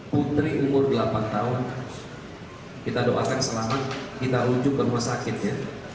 putri umur delapan tahun kita doakan selamat kita ujung ke rumah sakitnya